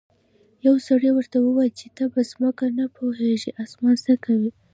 یو سړي ورته وویل چې ته په ځمکه نه پوهیږې اسمان څه کوې.